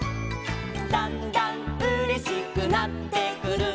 「だんだんうれしくなってくる」